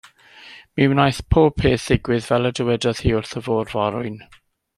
Mi wnaeth pob peth ddigwydd fel y dywedodd hi wrth y fôr-forwyn.